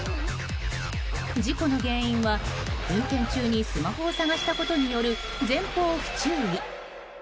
事故の原因は、運転中にスマホを探したことによる前方不注意。